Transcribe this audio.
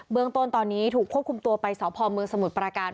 เมืองต้นตอนนี้ถูกควบคุมตัวไปสพเมืองสมุทรปราการ